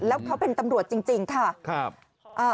แล้วเขาเป็นตำรวจจริงค่ะ